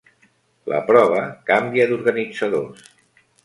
La prova canvia d'organitzadors.